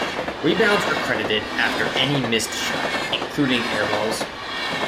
Rebounds are credited after any missed shot, including air balls.